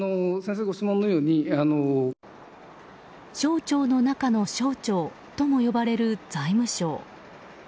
省庁の中の省庁とも呼ばれる財務省。